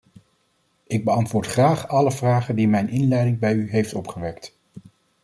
Ik beantwoord graag alle vragen die mijn inleiding bij u heeft opgewekt.